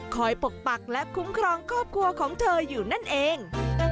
ปกปักและคุ้มครองครอบครัวของเธออยู่นั่นเอง